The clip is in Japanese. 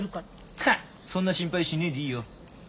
はっそんな心配しねえでいいよ。